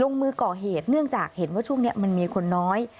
มือก่อเหตุเนื่องจากเห็นว่าช่วงนี้มันมีคนน้อย